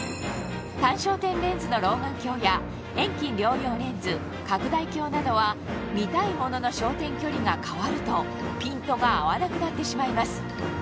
単焦点レンズの老眼鏡や遠近両用レンズ拡大鏡などは見たいものの焦点距離が変わるとピントが合わなくなってしまいます